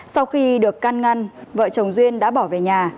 sau khi được can ngăn vợ chồng duyên đã bỏ về nhà